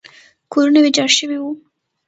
کورونه ویجاړ شوي وو.